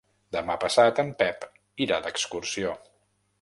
Demà passat en Pep irà d'excursió.